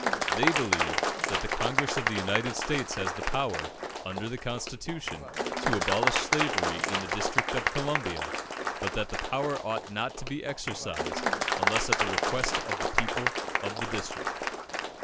They believe that the Congress of the United States has the power, under the Constitution, to abolish slavery in the district of Columbia; but that the power ought not to be exercised, unless at the request of the people of the district.